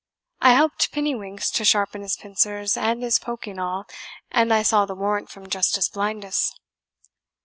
I helped Pinniewinks to sharpen his pincers and his poking awl, and I saw the warrant from Justice Blindas."